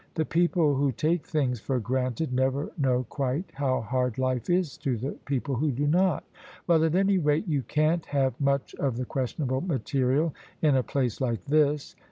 The people who take things for granted never know quite how hard life is to the people who do not. " Well, at any rate you can't have much of the questionable material in a place like this.